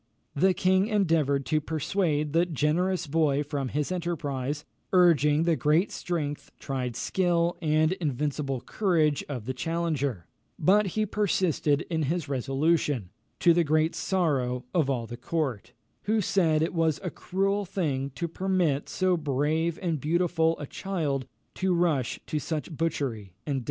The king endeavoured to persuade the generous boy from his enterprise, urging the great strength, tried skill, and invincible courage of the challenger; but he persisted in his resolution, to the great sorrow of all the court, who said it was a cruel thing to permit so brave and beautiful a child to rush to such butchery and death.